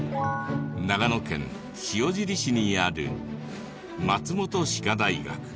長野県塩尻市にある松本歯科大学。